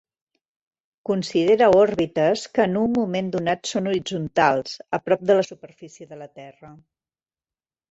Considera òrbites que en un moment donat són horitzontals, a prop de la superfície de la Terra.